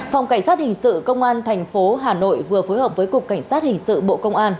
phòng cảnh sát hình sự công an tp hà nội vừa phối hợp với cục cảnh sát hình sự bộ công an